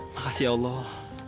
makasih ya allah